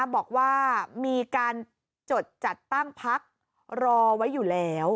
บอกว่ามีการจดจัดตั้งพักรอไว้อยู่แล้ว